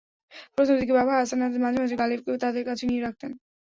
প্রথম দিকে বাবা হাসনাত মাঝে মাঝে গালিবকে তাঁদের কাছে নিয়ে রাখতেন।